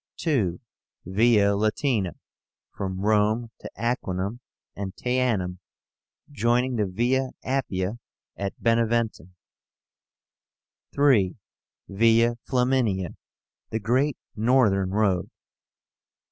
2. VIA LATÍNA, from Rome to Aquínum and Teánum, joining the Via Appia at Beneventum. 3. VIA FLAMINIA, the great northern road.